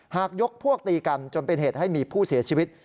ยกพวกตีกันจนเป็นเหตุให้มีผู้เสียชีวิต